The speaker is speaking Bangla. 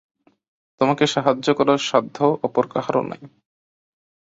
তোমাকে সাহায্য করার সাধ্য অপর কাহারও নাই।